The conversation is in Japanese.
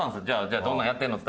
じゃあどんなんやってるの？